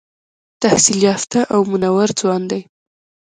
تحصیل یافته او منور ځوان دی.